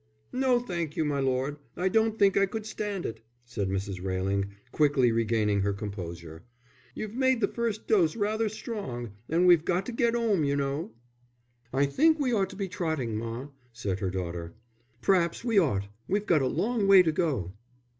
"No, thank you, my lord, I don't think I could stand it," said Mrs. Railing, quickly regaining her composure. "You made the first dose rather strong, and we've got to get 'ome, you know." "I think we ought to be trotting, ma," said her daughter. "P'raps we ought. We've got a long way to go."